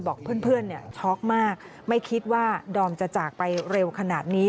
บอกเพื่อนช็อกมากไม่คิดว่าดอมจะจากไปเร็วขนาดนี้